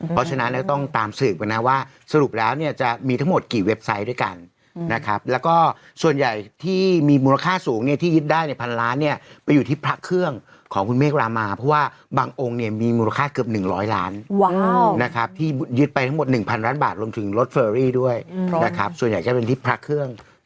เพราะฉะนั้นเราต้องตามสืบกันนะว่าสรุปแล้วเนี่ยจะมีทั้งหมดกี่เว็บไซต์ด้วยกันนะครับแล้วก็ส่วนใหญ่ที่มีมูลค่าสูงเนี่ยที่ยึดได้ในพันล้านเนี่ยไปอยู่ที่พระเครื่องของคุณเมฆรามาเพราะว่าบางองค์เนี่ยมีมูลค่าเกือบ๑๐๐ล้านนะครับที่ยึดไปทั้งหมด๑๐๐ล้านบาทรวมถึงรถเฟอรี่ด้วยนะครับส่วนใหญ่จะเป็นที่พระเครื่อง